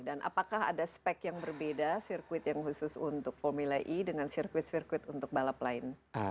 dan apakah ada spek yang berbeda sirkuit yang khusus untuk formula e dengan sirkuit sirkuit untuk balap lain